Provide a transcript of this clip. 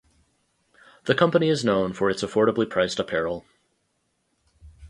The company is known for its affordably priced apparel.